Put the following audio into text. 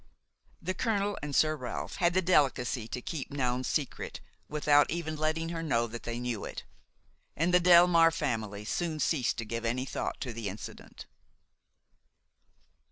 The colonel and Sir Ralph had the delicacy to keep Noun's secret, without even letting her know that they knew it; and the Delmare family soon ceased to give any thought to the incident.